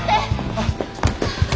あっ。